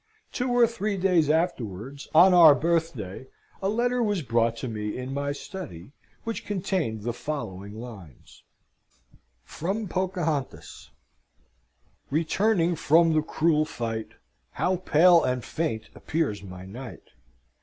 Two or three days afterwards, on our birthday, a letter was brought me in my study, which contained the following lines: "FROM POCAHONTAS "Returning from the cruel fight How pale and faint appears my knight!